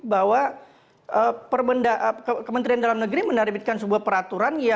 bahwa kementerian dalam negeri menerbitkan sebuah peraturan